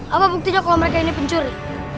apa buktinya kalau mereka ini pencuri